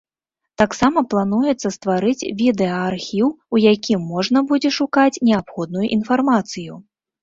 Таксама плануецца стварыць відэаархіў, у якім можна будзе шукаць неабходную інфармацыю.